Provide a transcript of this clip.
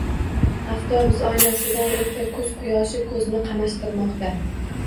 Avtobus oynasidan erta kuz quyoshi ko`zni qamashtirmoqda